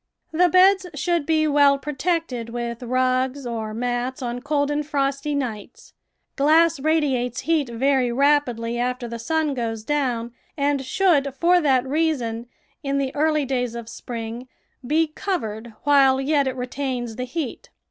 The beds should be well protected ^^dth rugs or CONSTRUCTION AND CARE OF HOTBEDS mats on cold and frosty nights; glass radiates lieat very rapidly after the sun goes down, and should, for that reason, in the early days of spring, be covered while yet it retains the heat.